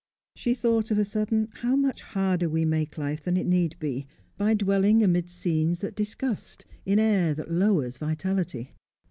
She thought of a sudden, how much harder we make life than it need be, by dwelling amid scenes that disgust, in air that lowers vitality.